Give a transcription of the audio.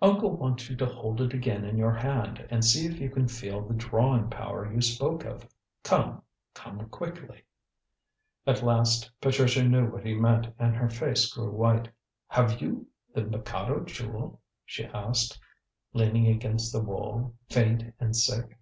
"Uncle wants you to hold it again in your hand and see if you can feel the drawing power you spoke of. Come! Come quickly!" At last Patricia knew what he meant and her face grew white. "Have you the Mikado Jewel?" she asked, leaning against the wall, faint and sick.